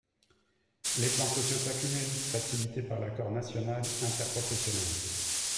Les plans sociaux s’accumulent, facilités par l’accord national interprofessionnel.